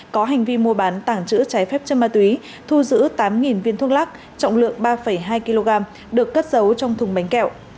có hành vi mua bán tảng chữ trái phép chân ma túy thu giữ tám viên thuốc lắc trọng lượng ba hai kg được cất giấu trong thùng bánh kẹo